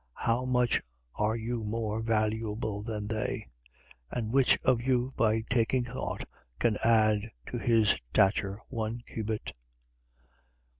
How much are you more valuable than they? 12:25. And which of you by taking thought can add to his stature one cubit?